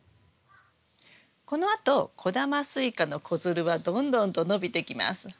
このあと小玉スイカの子づるはどんどんと伸びてきます。